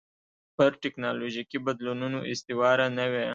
پر ټکنالوژیکي بدلونونو استواره نه وي.